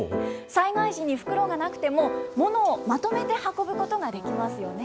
災害時に袋がなくても、ものをまとめて運ぶことができますよね。